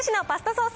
ソース